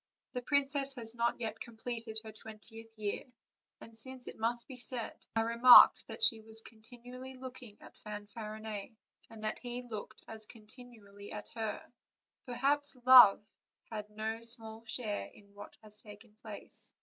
The princess has not yet completed her twentieth year; and since it must be said, I remarked that she was continu OLD, OLD FAIR7 TALES. 345 ally looking at Fanfarinet, and that he looked as con tinually at her; perhaps love has had no small share in what has just taken place."